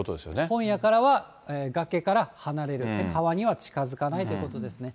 今夜からは、崖から離れる、川には近づかないということですね。